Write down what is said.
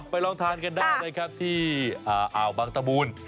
ไปลองทานกันได้เลยครับที่อ่าอาวบังตะบูน